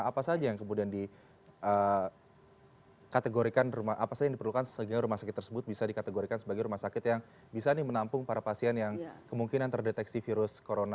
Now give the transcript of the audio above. apa saja yang kemudian di kategorikan apa saja yang diperlukan sehingga rumah sakit tersebut bisa dikategorikan sebagai rumah sakit yang bisa menampung para pasien yang kemungkinan terdeteksi virus corona dua ribu sembilan belas ini